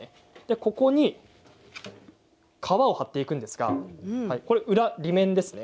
ここに革を張っていくんですが裏側ですね。